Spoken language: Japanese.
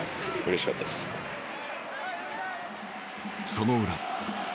その裏。